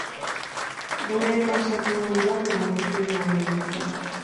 Bene-benetan sartzen da giroan ala postureoa baino ez da?